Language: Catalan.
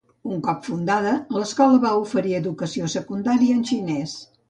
Un cop fundada, l'escola va oferir educació secundària en xinès.